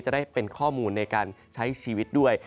จะได้เป็นข้อมูลในการใช้ชีวิตด้วย